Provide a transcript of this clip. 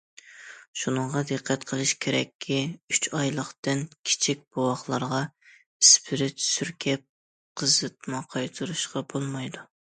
شۇنىڭغا دىققەت قىلىش كېرەككى، ئۈچ ئايلىقتىن كىچىك بوۋاقلارغا ئىسپىرت سۈركەپ قىزىتما قايتۇرۇشقا بولمايدۇ.